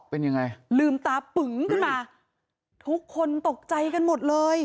เป็นยังไงลืมตาปึงขึ้นมาทุกคนตกใจกันหมดเลย